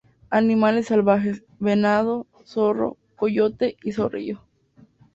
Animales salvajes: Venado, zorro, coyote y zorrillo.